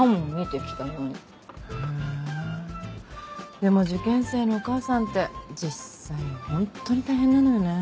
でも受験生のお母さんって実際ホントに大変なのよね。